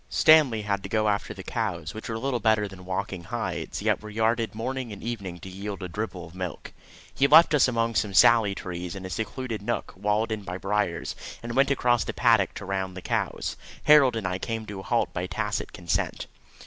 Stanley had to go after the cows, which were little better than walking hides, yet were yarded morning and evening to yield a dribble of milk. He left us among some sallie trees, in a secluded nook, walled in by briers, and went across the paddock to roundup the cows. Harold and I came to a halt by tacit consent.